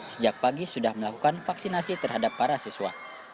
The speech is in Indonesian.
sejak pagi sudah melakukan vaksinasi terhadap para siswa